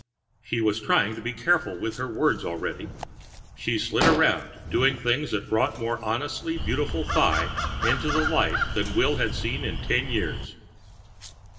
She was trying to be careful with her words already. She slid around, doing things that brought more honestly beautiful thigh into the light than Will had seen in ten years.